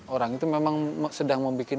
orang itu memang sedang membuat